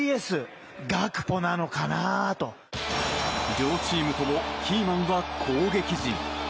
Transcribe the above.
両チームともキーマンは攻撃陣。